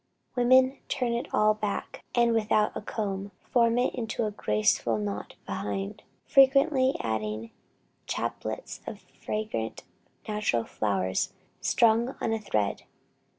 Women turn it all back, and without a comb, form it into a graceful knot behind, frequently adding chaplets of fragrant natural flowers strung on a thread.